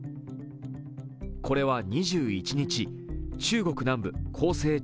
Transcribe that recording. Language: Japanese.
これは２１日、中国南部広西